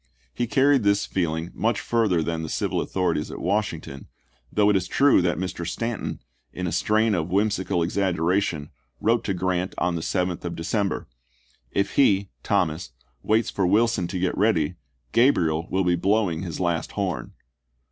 He car ried this feeling much further than the civil author ities at Washington, though it is true that Mr. van Home, Stanton, in a strain of whimsical exaggeration, wrote "iSaSK?* to Grant on the 7th of December, "If he [Thomas] °beriand?" waits f or Wilson to get ready, Gabriel will be blow P° 253.'' ing his last horn."